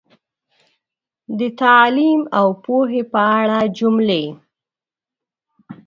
د تعلیم او پوهې په اړه جملې